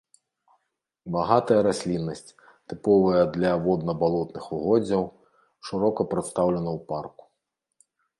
Багатая расліннасць, тыповая для водна-балотных угоддзяў, шырока прадстаўлена ў парку.